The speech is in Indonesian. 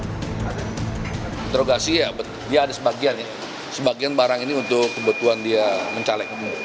kalau interogasi ya dia ada sebagian ya sebagian barang ini untuk kebutuhan dia mencalek